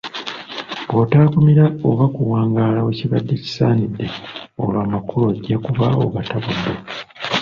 Bw’otaggumira oba kuwangaala we kibadde kisaanidde olwo amakulu ojja kuba ogatabuudde.